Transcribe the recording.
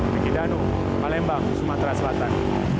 dikidano palembang sumatera selatan